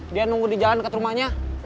dia nunggu di jalan dekat rumahnya